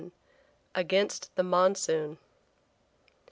AGAINST THE MONSOON.